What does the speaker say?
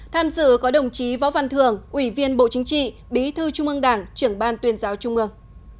tham dự có đồng chí võ văn thường ủy viên bộ chính trị bí thư trung ương đảng trưởng ban tuyên giáo trung ương